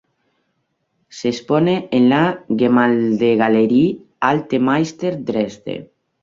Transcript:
Se expone en la Gemäldegalerie Alte Meister, Dresde.